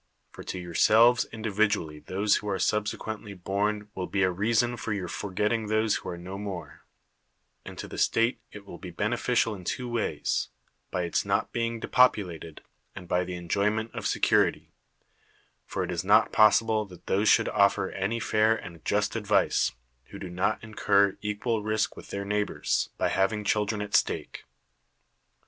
For to yourselves individually those who are subse([nently born will be a rea son for your forgetting those who are no more; and to the state it will be beneficial in two ways, by its not being depopulated, and by the enjoy ment of securit}' ; for it is not possible that those should offer any fair and just advice, who do not incur equal risk with their neighbors by hav ing children at stake.